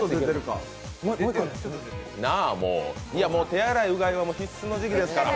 手洗い、うがいは必須の時期ですから。